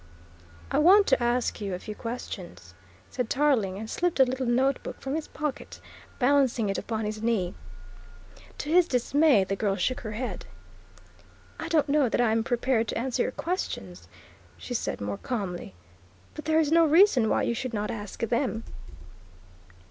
"I want to ask you a few questions," said Tarling, and slipped a little notebook from his pocket, balancing it upon his knee. To his dismay the girl shook her head. "I don't know that I am prepared to answer your questions," she said more calmly, "but there is no reason why you should not ask them."